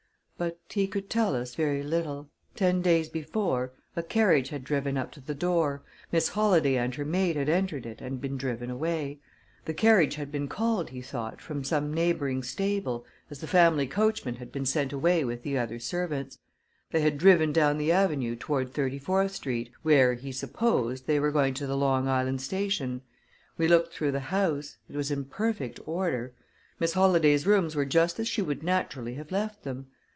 But he could tell us very little. Ten days before, a carriage had driven up to the door, Miss Holladay and her maid had entered it and been driven away. The carriage had been called, he thought, from some neighboring stable, as the family coachman had been sent away with the other servants. They had driven down the avenue toward Thirty fourth Street, where, he supposed, they were going to the Long Island station. We looked through the house it was in perfect order. Miss Holladay's rooms were just as she would naturally have left them.